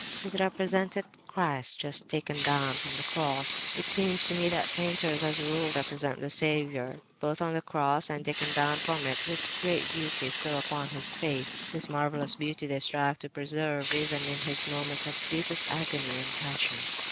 It represented Christ just taken down from the cross. It seems to me that painters as a rule represent the Saviour, both on the cross and taken down from it, with great beauty still upon His face. This marvellous beauty they strive to preserve even in His moments of deepest agony and passion.